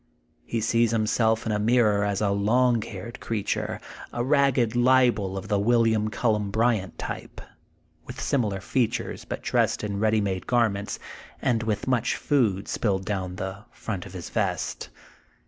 He sees himself in a mirror as a long haired creature, a ragged libel of the William CuUen Bryant type, with similar features, but dressed in ready made garments, and with much food spilled down the front of his vest.